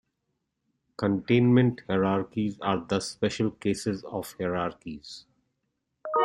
Containment hierarchies are thus special cases of hierarchies.